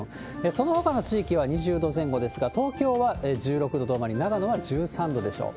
そのほかの地域は２０度前後ですが、東京は１６度止まり、長野は１３度でしょう。